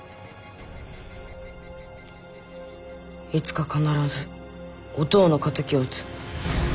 いつか必ずおとうの敵を討つ。